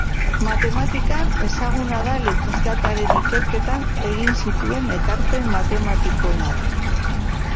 Matematikan, ezaguna da elektrizitatearen ikerketan egin zituen ekarpen matematikoengatik.